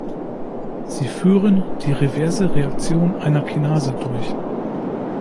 Sie führen die reverse Reaktion einer Kinase durch.